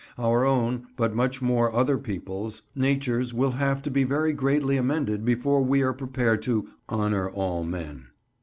Our own—but much more other people's—natures will have to be very greatly amended before we are prepared to "honour all men."